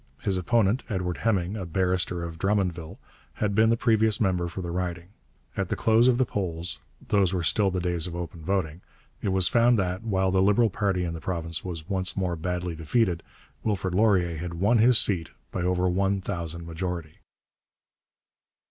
His opponent, Edward Hemming, a barrister of Drummondville, had been the previous member for the riding. At the close of the polls those were still the days of open voting it was found that, while the Liberal party in the province was once more badly defeated, Wilfrid Laurier had won his seat by over one thousand majority.